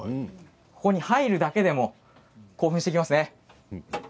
ここに入るだけでも興奮してきますね。